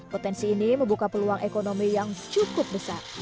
potensi ini membuka peluang ekonomi yang cukup besar